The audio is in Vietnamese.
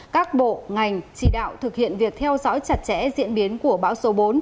các bộ ngành chỉ đạo thực hiện việc theo dõi chặt chẽ diễn biến của bão số bốn